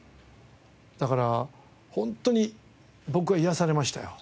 だから本当に僕は癒やされましたよ。